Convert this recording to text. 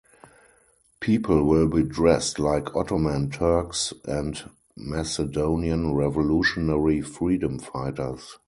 People will be dressed like Ottoman Turks and Macedonian revolutionary freedom fighters.